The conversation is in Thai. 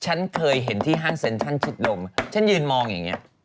ฉันเคยเห็นที่ห้างเซ็นทันชิดลมฉันยืนมองอย่างนี้